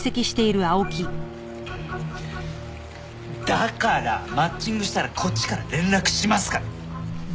だからマッチングしたらこっちから連絡しますから！